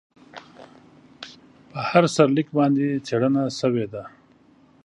په هر سرلیک باندې څېړنه شوې ده.